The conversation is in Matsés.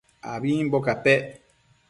abimbo capec